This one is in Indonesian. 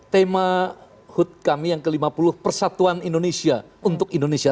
tema hut kami yang ke lima puluh persatuan indonesia untuk indonesia